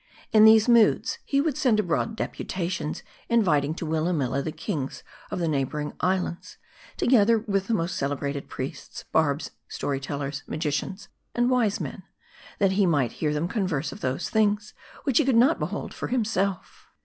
In these moods, he would send abroad deputations, inviting to Willa milla the kings of .the neighboring islands ; together with the most celebrated priests, bards, story tellers, magicians, and wise men ; that he might heaf them converse of those things, which he could not behold for himself.